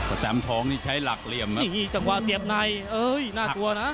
แตมทองนี่ใช้หลักเหลี่ยมนะนี่จังหวะเสียบในเอ้ยน่ากลัวนะ